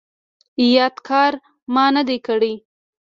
یا دا کار ما نه دی کړی ؟